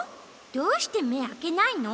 どうしてめあけないの？